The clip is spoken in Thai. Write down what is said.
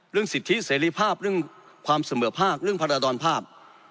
เรื่องสิทธิเสรีภาพเรื่องความเสมอภาคเรื่องพระราชดรภาพ